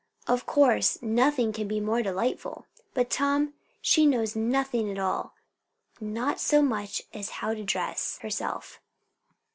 Of course nothing can be more delightful. But, Tom, she knows nothing at all; not so much as how to dress herself."